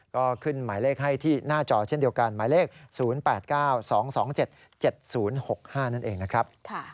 ก็ขึ้นหมายเลขให้ที่หน้าจอเช่นเดียวกันหมายเลข๐๘๙๒๒๗๗๐๖๕นั่นเองนะครับ